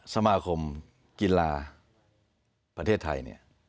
สมาคมกีฬาประเทศไทยเนี่ย